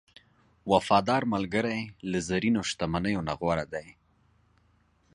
وفادار ملګری له زرینو شتمنیو نه غوره دی.